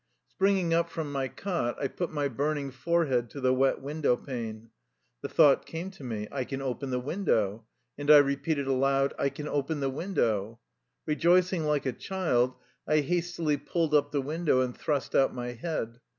Springing up from my cot, I put my burning forehead to the wet window pane. The thought came to me : I can open the window ! And I re peated aloud :" I can open the window !" Ke joicing like a child, I hastily pulled up the win dow and thrust out my head.